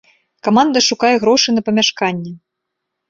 Каманда шукае грошы на памяшканне.